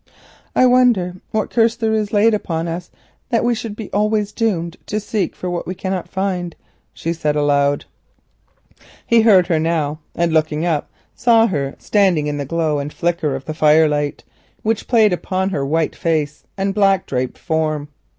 "I wonder what curse there is laid upon us that we should be always doomed to seek what we cannot find?" she said aloud. He heard her now, and looking up saw her standing in the glow and flicker of the firelight, which played upon her white face and black draped form.